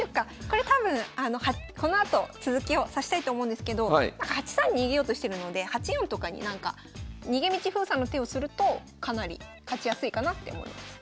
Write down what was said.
これ多分このあと続きを指したいと思うんですけど８三に逃げようとしてるので８四とかになんか逃げ道封鎖の手をするとかなり勝ちやすいかなって思います。